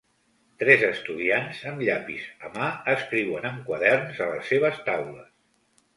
Tres estudiants amb llapis a mà escriuen en quaderns a les seves taules.